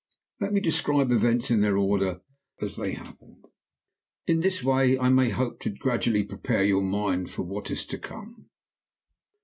"Let me describe events in their order as they happened. In this way I may hope to gradually prepare your mind for what is to come.